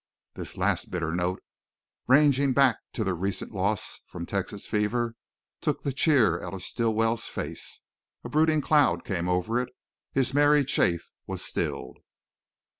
This last bitter note, ranging back to their recent loss from Texas fever, took the cheer out of Stilwell's face. A brooding cloud came over it; his merry chaff was stilled.